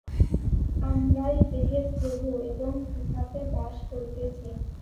আমরাই দেহের প্রভু এবং উহাতে বাস করিতেছি।